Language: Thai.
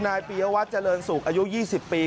นายพิววัสเจริญสุขอายุ๒๐ปี